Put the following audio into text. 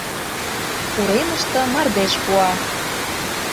Уремыште мардеж пуа.